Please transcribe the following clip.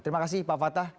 terima kasih pak patah